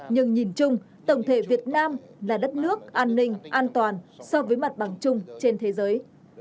nhưng nhìn chung tổng thể việt nam là đất nước an ninh an toàn so với mặt bằng chung trên thế giới